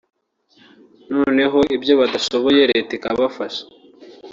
noneho ibyo badashoboye leta ikabafasha